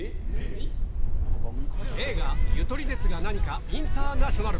映画、ゆとりですがなにかインターナショナル。